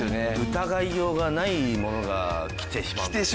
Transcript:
疑いようがないものが来てしまうんですよね。